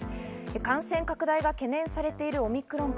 感染拡大が懸念されているオミクロン株。